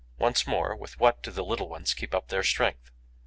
Once more, with what do the little ones keep up their strength?